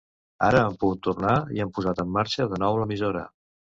Ara han pogut tornar i han posat en marxa de nou l’emissora.